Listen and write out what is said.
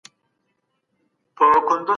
ذهني فشار د پرېکړې وېره زیاتوي.